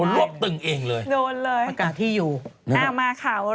สวัสดีค่ะ